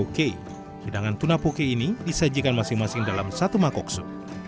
oke hidangan tuna poke ini disajikan masing masing dalam satu makoksu